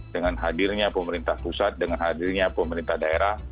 dengan hadirnya pemerintah pusat dengan hadirnya pemerintah daerah